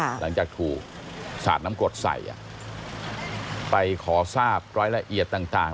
หลังจากถูกสาดน้ำกรดใส่ไปขอทราบรายละเอียดต่างต่าง